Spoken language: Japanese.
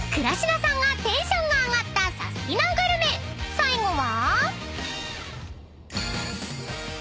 ［最後は？］